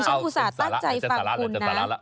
อีช่องอุตส่าห์ตั้งใจฟังคุณนะ